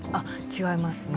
違いますね。